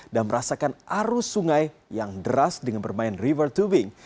dan merasakan arus sungai yang deras dengan bermain river tubing